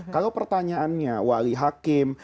kalau pertanyaannya wali hakim